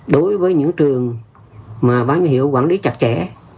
đối với những trường mà ban giám hiệu quản lý chặt chẽ